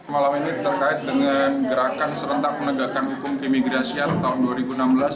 malam ini terkait dengan gerakan serentak menegakkan hukum keimigrasian tahun dua ribu enam belas